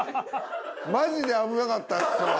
マジで危なかったっすわ。